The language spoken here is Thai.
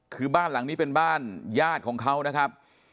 คือบ้านหลังนี้เป็นบ้านญาติของเขานะครับ